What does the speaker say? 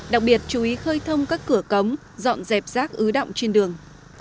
đặc biệt chú ý khơi thông các cửa cống dọn dẹp rác ứ động trên đường